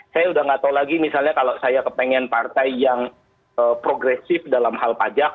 saya udah nggak tahu lagi misalnya kalau saya kepengen partai yang progresif dalam hal pajak